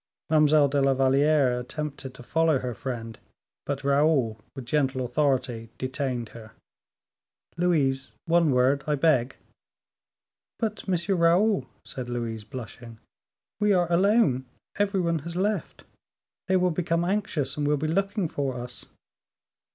Mademoiselle de la Valliere attempted to follow her friend, but Raoul, with gentle authority, detained her. "Louise, one word, I beg." "But, M. Raoul," said Louise, blushing, "we are alone. Every one has left. They will become anxious, and will be looking for us."